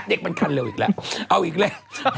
เด็กมันคันเร็วอีกแล้วเอาอีกแล้ว